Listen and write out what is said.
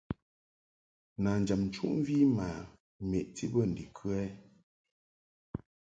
Nanjam nchuʼmvi ma meʼti bə ndikə ?